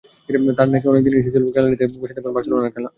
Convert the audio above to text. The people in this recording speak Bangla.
তাঁর নাকি অনেক দিনের ইচ্ছা ছিল গ্যালারিতে বসে দেখবেন বার্সেলোনার খেলা।